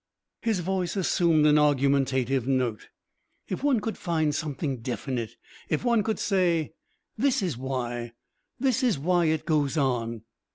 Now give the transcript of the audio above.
His voice assumed an argumentative note. "If one could find something definite ... If one could say, 'This is why this is why it goes on....'"